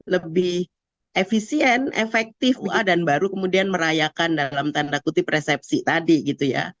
lebih efisien efektif dan baru kemudian merayakan dalam tanda kutip resepsi tadi gitu ya